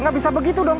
nggak bisa begitu dong